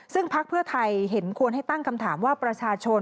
ซึ่งพักเพื่อไทยเห็นควรให้ตั้งคำถามว่าประชาชน